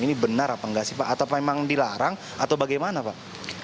ini benar apa enggak sih pak atau memang dilarang atau bagaimana pak